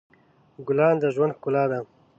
ګلان د ژوند ښکلا ده.